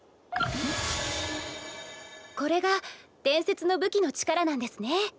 これが伝説の武器の力なんですね。